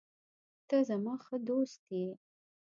ته زما ښه دوست یې.